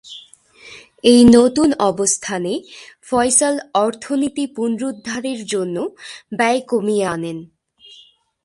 এই নতুন অবস্থানে ফয়সাল অর্থনীতি পুনরুদ্ধারের জন্য ব্যয় কমিয়ে আনেন।